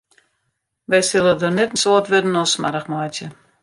Wy sille der net in soad wurden oan smoarch meitsje.